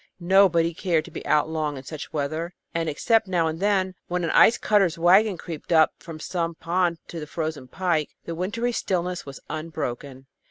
Nobody cared to be out long in such weather, and except now and then, when an ice cutter's wagon creaked up from some pond to the frozen pike, the wintry stillness was unbroken.